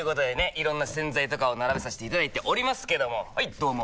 いろんな洗剤とかを並べさせていただいておりますけどもはいどうも！